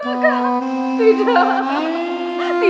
kemudian masuk ke kamar kaki